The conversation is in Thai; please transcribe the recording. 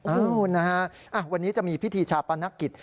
นะฮะวันนี้จะมีพิธีชาปนกิจ